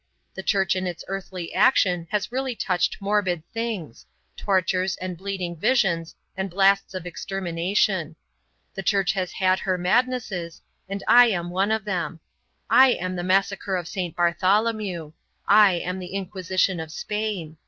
The Church in its earthly action has really touched morbid things tortures and bleeding visions and blasts of extermination. The Church has had her madnesses, and I am one of them. I am the massacre of St. Bartholomew. I am the Inquisition of Spain.